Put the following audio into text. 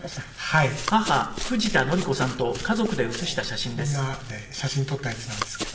ああこれはもうみんなで写真撮ったやつなんですけど。